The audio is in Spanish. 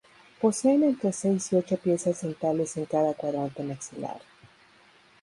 Poseen entre seis y ocho piezas dentales en cada cuadrante maxilar.